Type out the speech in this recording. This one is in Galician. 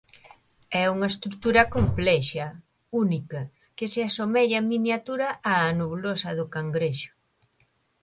É unha estrutura complexa única que se asómella en miniatura á nebulosa do cangrexo.